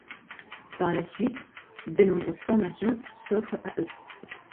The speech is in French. Par la suite, de nombreuses formations s’offrent à eux.